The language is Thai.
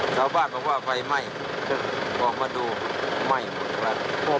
ชาวบ้านบอกว่าไฟไหม้ก็ออกมาดูไหม้หมดแล้ว